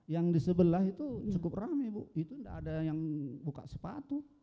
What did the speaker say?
yang di sebelah itu cukup rame bu itu tidak ada yang buka sepatu